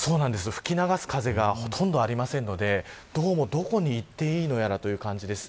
吹き流す風がほとんどないのでどうも、どこに行っていいのやらという感じです。